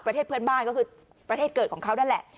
ประเทศเพื่อนบ้านก็คือประเทศเกิดของเขานั่นแหละ